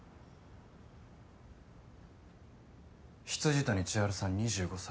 未谷千晴さん２５歳。